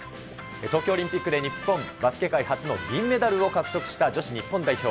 東京オリンピックで日本バスケ界初の銀メダルを獲得した女子日本代表。